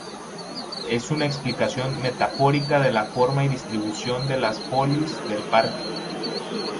Es una explicación metafórica de la forma y distribución de las folies del parque.